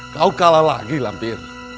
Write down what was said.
kau kalah lagi lah fir